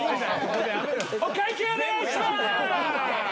お会計お願いします！